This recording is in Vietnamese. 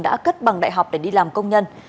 đã cất bằng đại học để đi làm công nhân